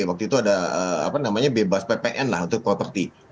waktu itu ada apa namanya bebas ppn lah untuk properti